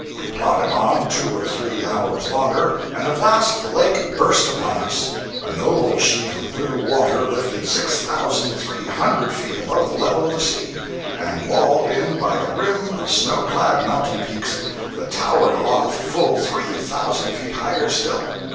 We plodded on, two or three hours longer, and at last the Lake burst upon us—a noble sheet of blue water lifted six thousand three hundred feet above the level of the sea, and walled in by a rim of snow clad mountain peaks that towered aloft full three thousand feet higher still!